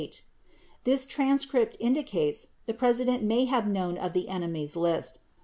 This transcript indicates the President may have known of the enemies list.